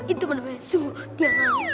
itu bener bener sungguh dia nangis